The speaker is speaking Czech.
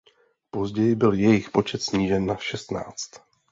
Později byl jejich počet snížen na šestnáct.